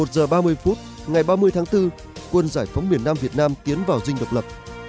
một giờ ba mươi phút ngày ba mươi tháng bốn quân giải phóng miền nam việt nam tiến vào dinh độc lập